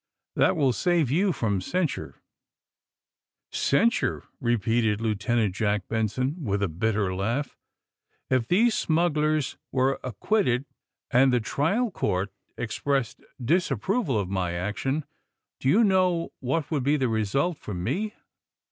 That will gave you from censure. ''*' Censure I" repeated Lieutenant Jack Ben son, with a bitter laugh. *^If these smugglers were acquitted, and the trial court expressed disapproval of my action, do you know what would be the result for me